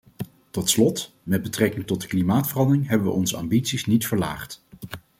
Tot slot, met betrekking tot de klimaatverandering hebben we onze ambities niet verlaagd.